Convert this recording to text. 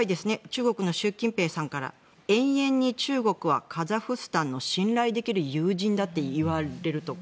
中国の習近平さんから永遠に中国はカザフスタンの信頼できる友人だと言われると。